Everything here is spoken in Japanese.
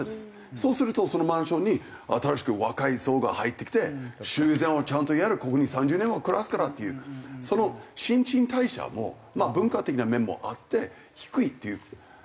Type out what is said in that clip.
そうするとそのマンションに新しく若い層が入ってきて修繕をちゃんとやるここに３０年は暮らすからというその新陳代謝も文化的な面もあって低いっていう。